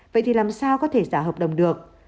vậy thì làm sao có thể giả hợp đồng được